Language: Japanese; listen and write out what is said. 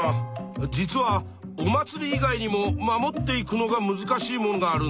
実はお祭り以外にも守っていくのがむずかしいもんがあるんだ。